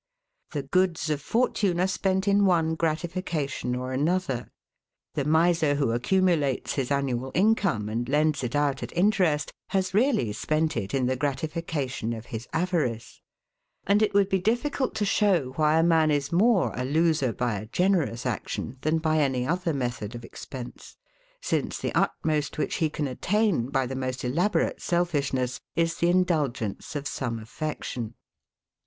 The goods of fortune are spent in one gratification or another: the miser who accumulates his annual income, and lends it out at interest, has really spent it in the gratification of his avarice. And it would be difficult to show why a man is more a loser by a generous action, than by any other method of expense; since the utmost which he can attain by the most elaborate selfishness, is the indulgence of some affection.